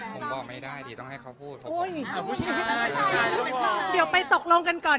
ผมบอกไม่ได้ดิต้องให้เขาพูดผมเดี๋ยวไปตกลงกันก่อน